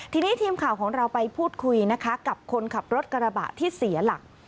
ทีนี้ทีมข่าวของเราไปพูดคุยนะคะกับคนขับรถกระบะที่เสียหลัก